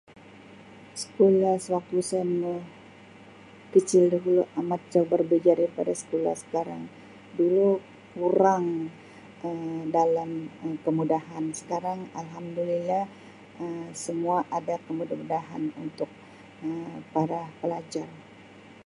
Sekulah sewaktu saya ma-kecil lagi amat jauh berbeja daripada sekolah sekarang, dulu kurang Um dalam Um kemudahan. Sekarang Alhamdulillah Um semua ada kemuda-mudahan untuk Um para pelajar.